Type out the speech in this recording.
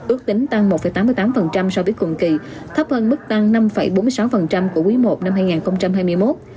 ước tính tăng một tám mươi tám so với cùng kỳ thấp hơn mức tăng năm bốn mươi sáu của quý i năm hai nghìn hai mươi một